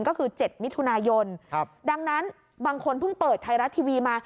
ก็คือ๗มิถุนายนดังนั้นบางคนเพิ่งเปิดไทยรัฐทีวีมา